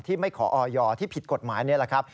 ไม่ขอออยที่ผิดกฎหมายนี่แหละครับ